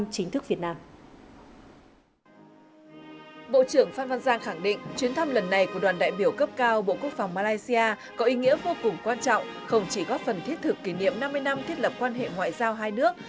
chuyến thăm lần này của đoàn đại biểu cấp cao bộ quốc phòng malaysia có ý nghĩa vô cùng quan trọng không chỉ góp phần thiết thực kỷ niệm năm mươi năm thiết lập quan hệ ngoại giao hai nước